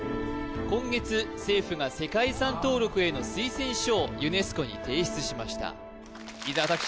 今月政府が世界遺産登録への推薦書をユネスコに提出しました伊沢拓司